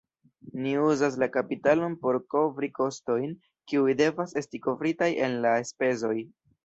Ni uzas la kapitalon por kovri kostojn, kiuj devas esti kovritaj el la enspezoj.